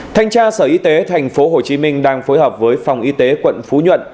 thanh tra sở y tế tp hcm đang phối hợp với phòng y tế quận phú nhuận